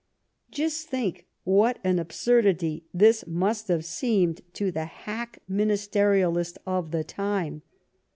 Just think what an absurdity this must have seemed to the hack ministerialist of the time